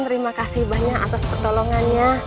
terima kasih banyak atas pertolongannya